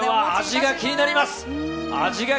味が気になります。